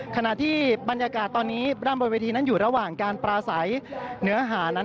ขณะที่บรรยากาศตอนนี้ร่ำบนเวทีนั้นอยู่ระหว่างการปราศัยเนื้อหานั้น